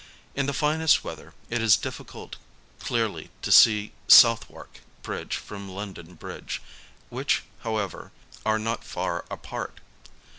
In the finest weather, it is difficult clearly to see South wark Bridge from London Bridge, which, however, ace not far apart.